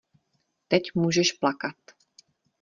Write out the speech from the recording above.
Teď můžeš plakat.